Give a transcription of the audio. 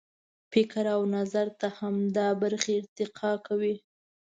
فکر و نظر ته همدا برخې ارتقا ورکوي.